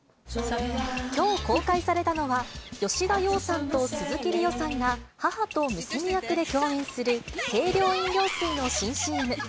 きょう公開されたのは、吉田羊さんと鈴木梨央さんが母と娘役で共演する清涼飲料水の新ＣＭ。